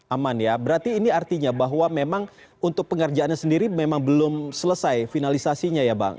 aman ya berarti ini artinya bahwa memang untuk pengerjaannya sendiri memang belum selesai finalisasinya ya bang